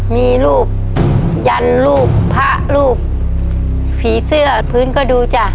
มีรูปยันรูปพระรูปผีเสื้อพื้นก็ดูจ้ะ